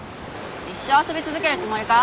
一生遊び続けるつもりか？